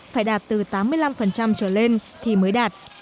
phải đạt từ tám mươi năm trở lên thì mới đạt